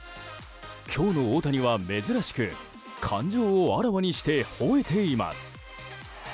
今日の大谷は珍しく感情をあらわにして吠えています。